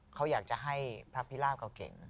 เขาอยากจะให้พระพิราบเขาเก่ง